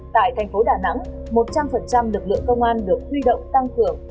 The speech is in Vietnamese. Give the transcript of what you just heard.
tại thành phố đà nẵng một trăm linh lực lượng công an được huy động tăng cường